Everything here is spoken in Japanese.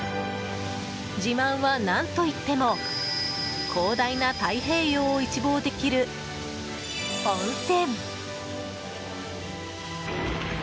自慢は何といっても広大な太平洋を一望できる温泉。